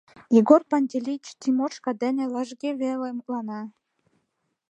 Егор Пантелеич Тимошка дене лыжге веле мутлана.